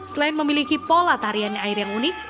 selain memiliki pola tarian air yang unik